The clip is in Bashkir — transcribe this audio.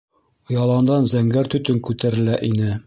Яландан зәңгәр төтөн күтәрелә ине.